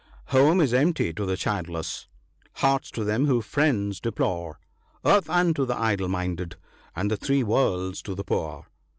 Home is empty to the childless ; hearts to them who friends deplore : Earth unto the idle minded ; and the three worlds to the poor."